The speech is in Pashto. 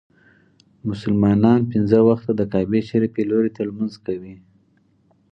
مسلمانان پنځه وخته د کعبې شريفي لوري ته لمونځ کوي.